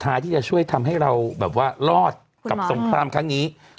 ที่จะช่วยทำให้เราแบบว่ารอดกับสงครามครั้งนี้